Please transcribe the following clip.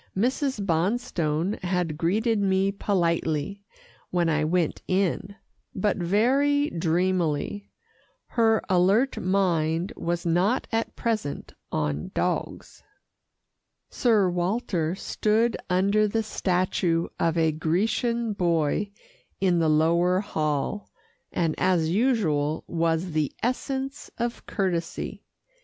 Mrs. Bonstone had greeted me politely, when I went in, but very dreamily. Her alert mind was not at present on dogs. Sir Walter stood under the statue of a Grecian boy in the lower hall, and as usual was the essence of courtesy.